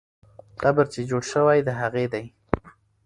قبر چې جوړ سوی، د هغې دی.